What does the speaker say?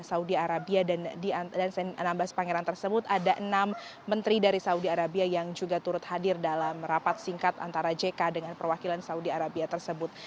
saudi arabia dan di enam belas pangeran tersebut ada enam menteri dari saudi arabia yang juga turut hadir dalam rapat singkat antara jk dengan perwakilan saudi arabia tersebut